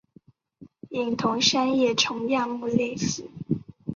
隐头三叶虫亚目类似。